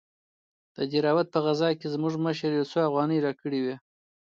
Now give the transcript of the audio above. د دهراوت په غزا کښې زموږ مشر يو څو اوغانۍ راکړې وې.